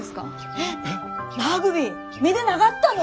えっラグビー見でながったの？